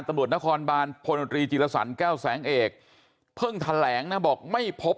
ตำรวจนครบานพลตรีจิลสันแก้วแสงเอกเพิ่งแถลงนะบอกไม่พบ